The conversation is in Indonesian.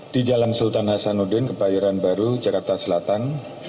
di jalan sultan hasanuddin kebayoran baru jakarta selatan